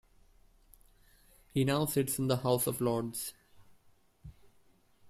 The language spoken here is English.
He now sits in the House of Lords.